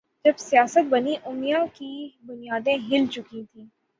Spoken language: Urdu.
جب سیاست بنی امیہ کی بنیادیں ہل چکی تھیں